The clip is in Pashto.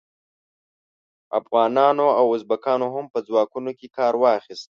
افغانانو او ازبکانو هم په ځواکونو کې کار واخیست.